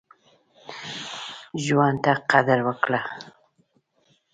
ژوند ته قدر وکړه.